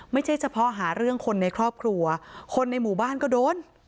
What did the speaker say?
ไม่ใช่เฉพาะหาเรื่องคนในครอบครัวคนในหมู่บ้านก็โดน